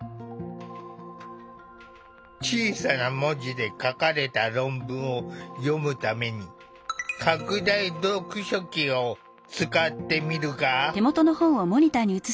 小さな文字で書かれた論文を読むために拡大読書器を使ってみるが。